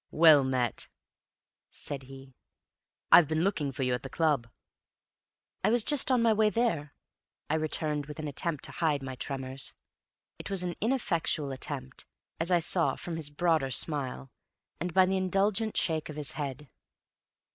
"Well met!" said he. "I've been looking for you at the club." "I was just on my way there," I returned, with an attempt to hide my tremors. It was an ineffectual attempt, as I saw from his broader smile, and by the indulgent shake of his head.